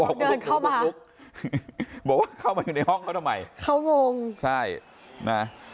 เดินเข้ามาลุกบอกว่าเข้ามาอยู่ในห้องเขาทำไมเขางงใช่นะ